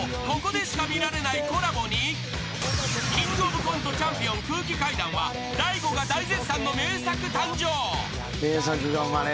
ここでしか見られないコラボにキングオブコントチャンピオン空気階段は大悟が大絶賛の名作誕生。